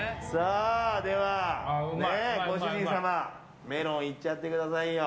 では、ご主人様メロンいっちゃってくださいよ。